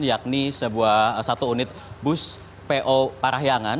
yakni sebuah satu unit bus po parah hyangan